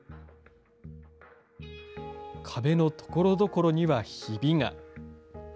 壁のところどころにはひびが。